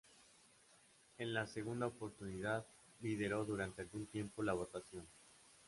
En la segunda oportunidad, lideró durante algún tiempo la votación.